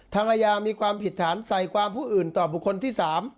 อายามีความผิดฐานใส่ความผู้อื่นต่อบุคคลที่๓